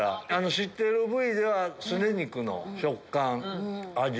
知ってる部位ではすね肉の食感味。